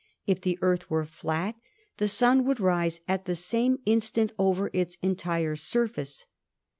If the Earth were flat the Sun would rise at the same instant over its entire surface.